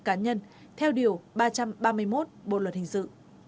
cả nhân theo điều ba trăm ba mươi một bộ luật hình dự